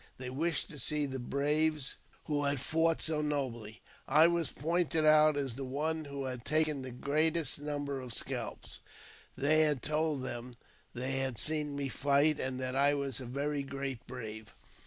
They wished to see the braves wh< had fought so nobly. I was pointed out as the one wh^ had taken the greatest number of scalps ; they told them thej had seen me fight, and that I was a very great brave.